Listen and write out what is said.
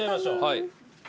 はい。